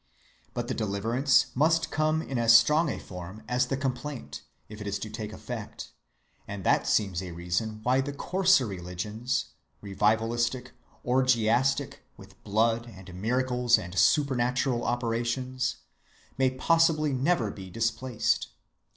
But the deliverance must come in as strong a form as the complaint, if it is to take effect; and that seems a reason why the coarser religions, revivalistic, orgiastic, with blood and miracles and supernatural operations, may possibly never be displaced.